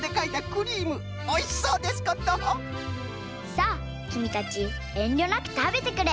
さあきみたちえんりょなくたべてくれ。